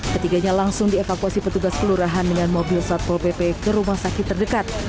ketiganya langsung dievakuasi petugas kelurahan dengan mobil satpol pp ke rumah sakit terdekat